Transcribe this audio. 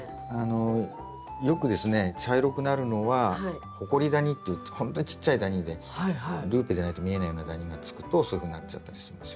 よくですね茶色くなるのはホコリダニっていってほんとにちっちゃいダニでルーペじゃないと見えないようなダニがつくとそういうふうになっちゃったりしますよね。